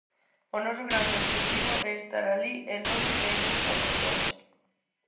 O noso grande obxectivo é estar alí e logo xa iremos a por todas.